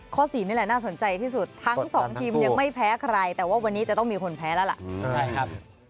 ๔นี่แหละน่าสนใจที่สุดทั้งสองทีมยังไม่แพ้ใครแต่ว่าวันนี้จะต้องมีคนแพ้แล้วล่ะ